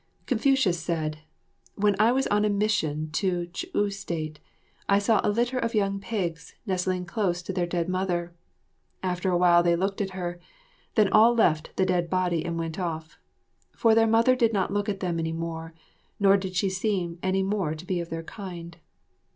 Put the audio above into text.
Confucius said, "When I was on a mission to Ch'u State, I saw a litter of young pigs nestling close to their dead mother. After a while they looked at her, then all left the dead body and went off. For their mother did not look at them any more, nor did she seem any more to be of their kind.